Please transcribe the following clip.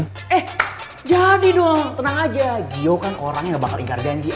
eh jadi dong tenang aja gio kan orangnya gak bakal ingat janji